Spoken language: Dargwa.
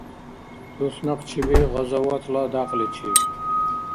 Туснакъчиби — «гъазаватла» дякьличиб